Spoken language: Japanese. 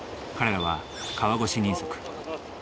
彼らは川越人足。